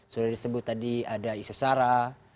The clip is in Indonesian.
sudah disebut tadi ada isu sara